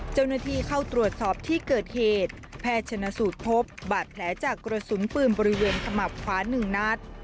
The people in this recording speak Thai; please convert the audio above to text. เจ้าหน้าที่เข้าตรวจสอบที่เกิดเหตุแพทย์ชนสูตรพบบาดแผลจากกระสุนปืนบริเวณขมับขวา๑นัด